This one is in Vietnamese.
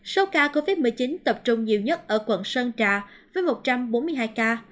số ca covid một mươi chín tập trung nhiều nhất ở quận sơn trà với một trăm bốn mươi hai ca